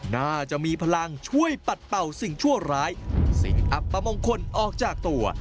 น่าจะมีพลังช่วยปัดเป่าสิ่งชั่วร้ายสิ่งอัปมงคลออกจากตัว